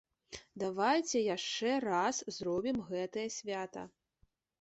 Давайце яшчэ раз зробім гэтае свята.